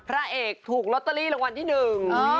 พระเอกถูกลอตเตอรี่รางวัลที่หนึ่ง